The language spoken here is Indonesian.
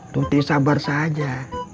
tuti sabar saja